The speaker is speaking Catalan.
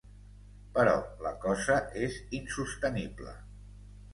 Però la cosa és insostenible.